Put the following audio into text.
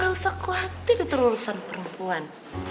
gak usah khawatir itu lulusan perempuan